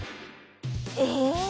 え？